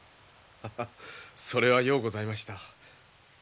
ハハそれはようございました。